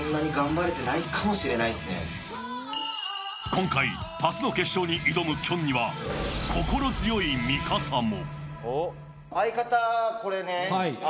今回初の決勝に挑むきょんには心強い味方も。